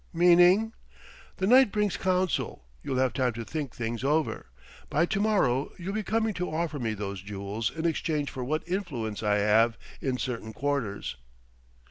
"Meaning ?" "The night brings counsel: you'll have time to think things over. By to morrow you'll be coming to offer me those jewels in exchange for what influence I have in certain quarters."